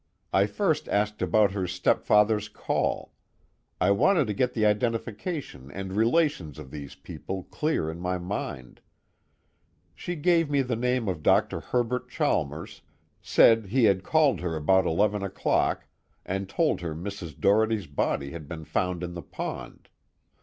I first asked about her stepfather's call. I wanted to get the identification and relations of these people clear in my mind. She gave me the name Dr. Herbert Chalmers, said he had called her about eleven o'clock and told her Mrs. Doherty's body had been found in the pond.